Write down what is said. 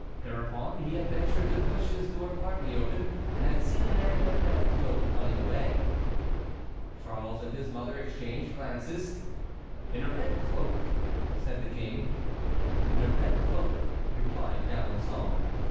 Thereupon he had ventured to push his door partly open, and had seen a man in a red cloak running away. Charles and his mother exchanged glances. "In a red cloak?" said the King. "In a red cloak," replied D'Alençon.